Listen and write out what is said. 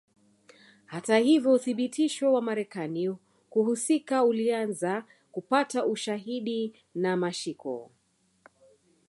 Hata hivyo uthibitisho wa Marekani kuhusika ulianza kupata ushahidi na mashiko